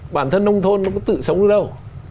bản thân nông thôn nó có tự sống được đâu